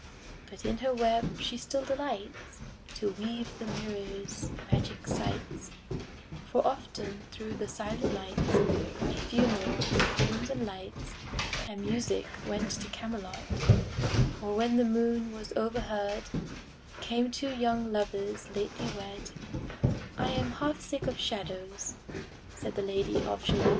But in her web she still delights To weave the mirror's magic sights, For often thro' the silent nights A funeral, with plumes and lights And music, went to Camelot: Or when the moon was overhead, Came two young lovers lately wed; "I am half sick of shadows," said The Lady of Shalott.